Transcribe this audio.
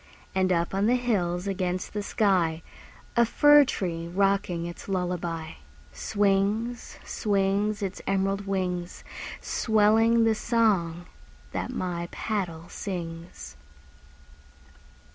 And up on the hills against the sky, A fir tree rocking its lullaby, Swings, swings, Its emerald wings, Swelling the song that my paddle sings.